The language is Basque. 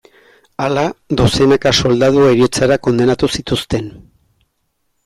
Hala, dozenaka soldadu heriotzara kondenatu zituzten.